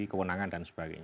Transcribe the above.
kewenangan dan sebagainya